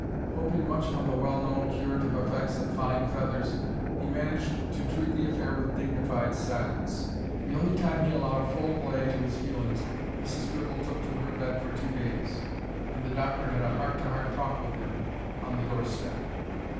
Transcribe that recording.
Hoping much from the well known curative effects of fine feathers, he managed to treat the affair with dignified silence. The only time he allowed full play to his feelings Mrs. Gribble took to her bed for two days, and the doctor had a heart to heart talk with him on the doorstep.